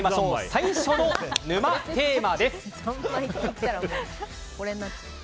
最初の沼テーマです。